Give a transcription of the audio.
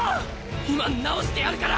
今治してやるから。